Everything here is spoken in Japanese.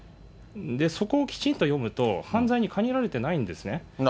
そこをきちんと読むと、犯罪に限られてないんですね。